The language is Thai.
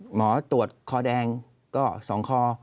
หมอตรวจคอแดงก็๒คอ